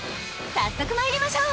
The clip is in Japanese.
早速まいりましょう！